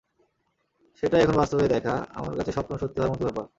সেটাই এখন বাস্তবে দেখা, আমার কাছে স্বপ্ন সত্যি হওয়ার মতো ব্যাপার।